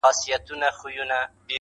ډوب سم جهاني غوندي له نوم سره؛